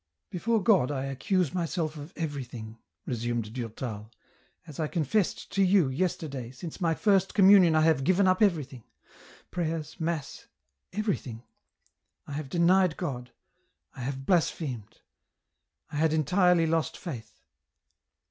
" Before God, I accuse myself of everything,'' resumed Durtal ;" as I confessed to you, yesterday, since my first communion I have given up everything ; prayers, mass, everything ; I have denied God, I have blasphemed, I had entirely lost faith."